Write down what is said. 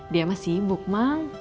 dia masih sibuk mang